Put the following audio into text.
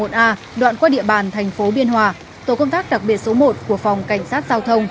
đoạn qua địa bàn thành phố biên hòa tổ công tác đặc biệt số một của phòng cảnh sát giao thông